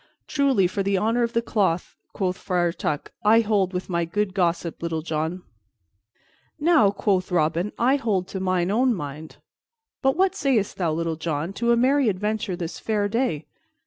"Truly, for the honor of the cloth," quoth Friar Tuck, "I hold with my good gossip, Little John." "Now," quoth Robin, "I hold to mine own mind. But what sayst thou, Little John, to a merry adventure this fair day?